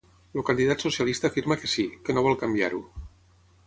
El candidat socialista afirma que sí, que no vol canviar-ho.